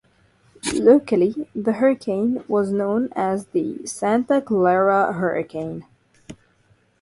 Locally the hurricane was known as the Santa Clara Hurricane.